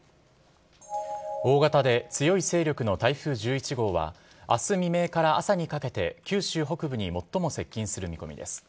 大型で強い勢力の台風１１号は、あす未明から朝にかけて九州北部に最も接近する見込みです。